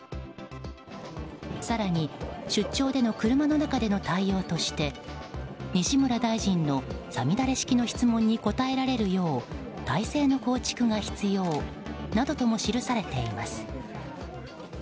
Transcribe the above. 更に、出張での車の中での対応として西村大臣のさみだれ式の質問に答えられるよう体制の構築が必要などとも記されています。